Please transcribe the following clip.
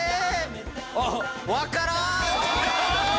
わからん！